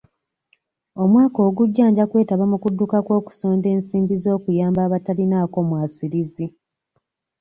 Omwaka ogujja nja kwetaba mu kudduka kw'okusonda ensimbi z'okuyamba abataliinaako mwasirizi